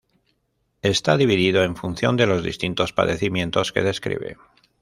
Está dividido en función de los distintos padecimientos que describe.